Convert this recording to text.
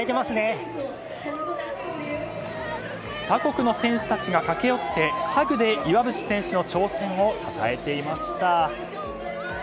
他国の選手たちが駆け寄ってハグで岩渕選手の挑戦をたたえていました。